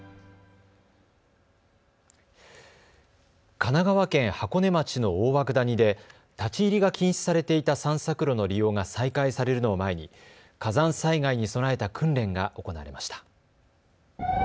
神奈川県箱根町の大涌谷で立ち入りが禁止されていた散策路の利用が再開されるのを前に火山災害に備えた訓練が行われました。